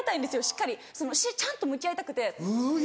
しっかりちゃんと向き合いたくて。